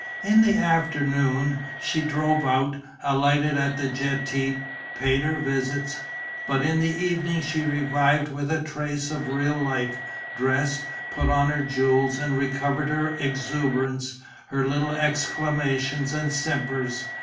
In the afternoon she drove out, alighted at the Jetée, paid her visits. But in the evening she revived with a trace of real life, dressed, put on her jewels and recovered her exuberance, her little exclamations and simpers.